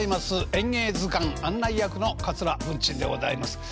「演芸図鑑」案内役の桂文珍でございます。